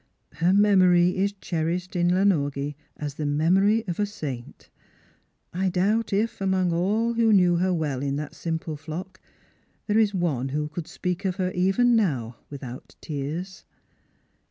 Her memory is cherished in Lanorgie as the memory of a saint. I doubt if, among all who knew her well in that simple flock, there is one who could speak of her even now without t>ears."